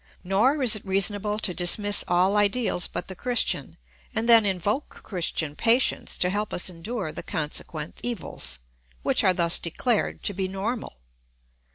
Nor is it reasonable to dismiss all ideals but the Christian and then invoke Christian patience to help us endure the consequent evils, which are thus declared to be normal.